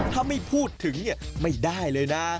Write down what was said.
ถ้าไม่พูดถึงไม่ได้เลยนะ